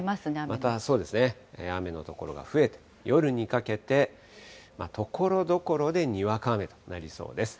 またそうですね、雨の所が増えて、夜にかけてところどころでにわか雨となりそうです。